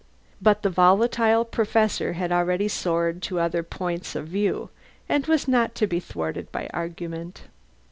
But the volatile Professor had already soared to other points of view, and was not to be thwarted by argument.